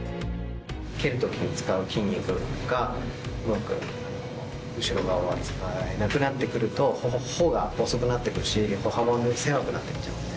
蹴るときに使う筋肉が、うまく後ろ側が使えなくなってくると、歩が細くなってくるし、歩幅が狭くなっていっちゃうんで。